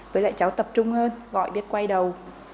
với lại cháu tập trung hơn gọi biết quay đầu